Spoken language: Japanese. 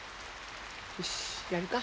よしやるか。